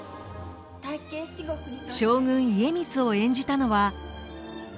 将軍家光を演じたのは。